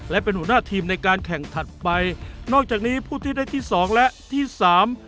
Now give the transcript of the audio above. และเป็นหัวหน้าทีมในการแข่งถัดไปนอกจากนี้ผู้ที่ได้ที่สองและที่สาม